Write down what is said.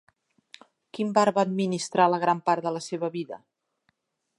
Quin bar va administrar gran part de la seva vida?